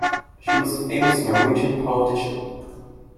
She was a famous Norwegian politician.